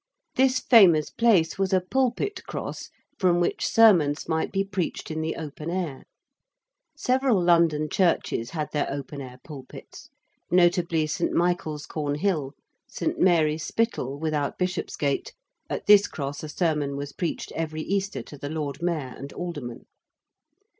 This famous place was a Pulpit Cross, from which sermons might be preached in the open air. Several London churches had their open air pulpits: notably St. Michael's, Cornhill; St. Mary's Spital, without Bishopsgate at this Cross a sermon was preached every Easter to the Lord Mayor and aldermen.